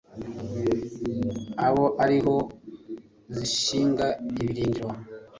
aba ari ho zishinga ibirindiro